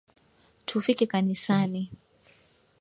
Tufike kanisani